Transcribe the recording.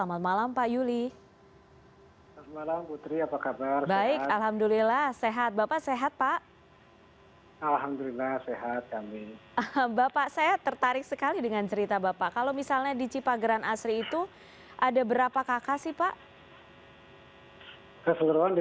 apabila ada warga di sekitar rumah yang terpapar virus corona